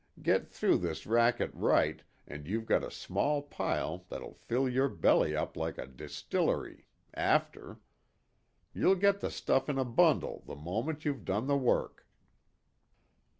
Get through this racket right, and you've got a small pile that'll fill your belly up like a distillery after. You'll get the stuff in a bundle the moment you've done the work."